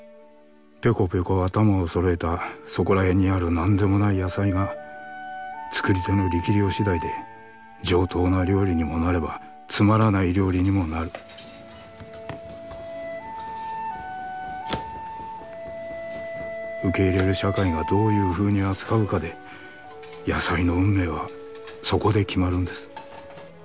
ぴょこぴょこ頭を揃えたそこらへんにある何でもない野菜が作り手の力量次第で上等な料理にもなればつまらない料理にもなる受け入れる社会がどういうふうに扱うかで野菜の運命はそこで決まるんです。